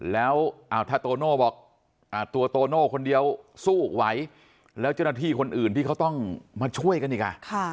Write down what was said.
แล้วถ้าโตโน่บอกตัวโตโน่คนเดียวสู้ไหวแล้วเจ้าหน้าที่คนอื่นที่เขาต้องมาช่วยกันอีก